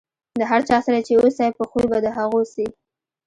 د هر چا سره چې اوسئ، په خوي به د هغو سئ.